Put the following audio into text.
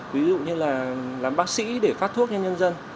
ví dụ như là làm bác sĩ để phát thuốc cho nhân dân